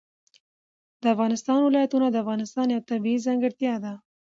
د افغانستان ولايتونه د افغانستان یوه طبیعي ځانګړتیا ده.